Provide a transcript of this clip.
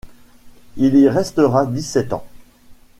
Il y restera dix-sept ans.